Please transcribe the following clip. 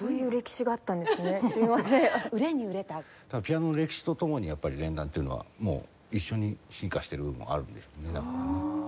ピアノの歴史と共にやっぱり連弾っていうのはもう一緒に進化してる部分もあるんですね。